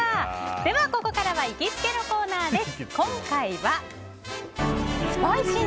では、ここからは行きつけのコーナーです。